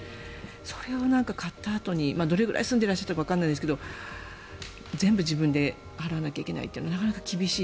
それを買ったあとにどれくらい住んでいらっしゃったかわからないですが全部自分で払わないといけないというのはなかなか厳しい。